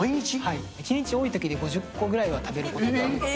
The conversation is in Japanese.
１日多いときで５０個ぐらいは食べることが。